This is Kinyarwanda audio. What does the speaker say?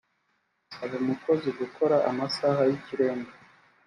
gusaba umukozi gukora amasaha y ikirenga